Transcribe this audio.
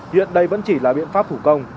hiện đây vẫn chỉ là biện pháp thủ công